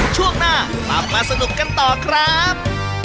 ช่วงหน้ากลับมาสนุกกันต่อครับ